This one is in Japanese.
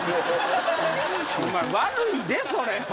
お前悪いでそれは。